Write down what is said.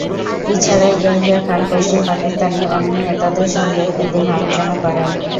এছাড়া ইয়াহিয়া খান পশ্চিম পাকিস্তানি অন্য নেতাদের সঙ্গেও এদিন আলোচনা করেন।